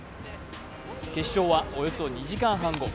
決勝はおよそ２時間半後。